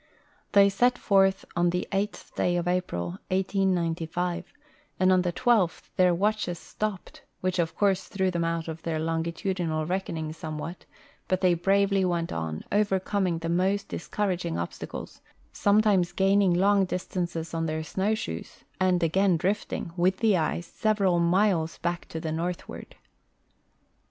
They set forth on the 8th day of April, 1895, and on the 12th their watches stopped, which of course threw them out of their longitudinal reckoning somewhat, but they bravely went on, overcoming the most discouraging obstacles, sometimes gaining long distances on their snowshoes, and again drifting with the THE NANSEN POLAR EXPEDITION 341 ice several miles back to the northward.